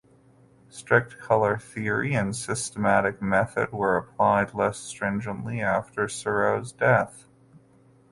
Strict color theory and systematic method were applied less stringently after Seurat’s death.